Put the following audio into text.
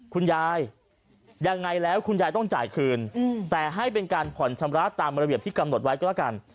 คุณยายยังไงแล้วคุณยายต้องจ่ายคืนแต่ให้เป็นการผ่อนชำระตามระเบียบที่กำหนดไว้ก็แล้วกัน